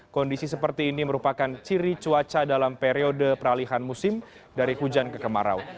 kondisi seperti ini merupakan ciri cuaca dalam periode peralihan musim dari hujan ke kemarau